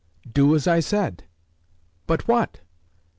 "Do as I said." "But what?"